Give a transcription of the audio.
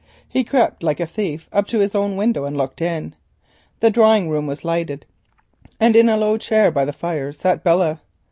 He crept like a thief up to his own window and looked in. The drawing room was lighted, and in a low chair by the fire sat Belle.